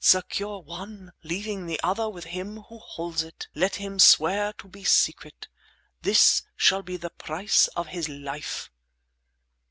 Secure one, leaving the other with him who holds it! Let him swear to be secret. This shall be the price of his life!